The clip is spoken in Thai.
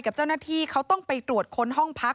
กับเจ้าหน้าที่เขาต้องไปตรวจค้นห้องพัก